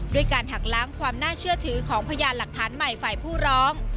ด้วยการหักล้างความน่าเชื่อถือของพยานหลักฐานใหม่ฝ่ายผู้ร้อง